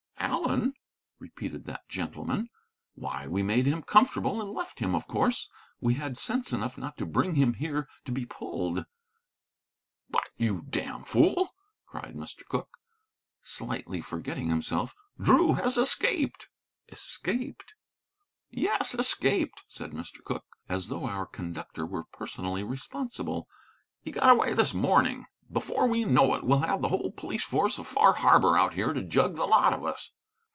"Allen?" repeated that gentleman, "why, we made him comfortable and left him, of course. We had sense enough not to bring him here to be pulled." "But, you damfool," cried Mr. Cooke, slightly forgetting himself, "Drew has escaped." "Escaped?" "Yes, escaped," said Mr. Cooke, as though our conductor were personally responsible; "he got away this morning. Before we know it, we'll have the whole police force of Far Harbor out here to jug the lot of us."